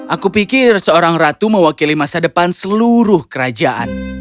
aku pikir seorang ratu mewakili masa depan seluruh kerajaan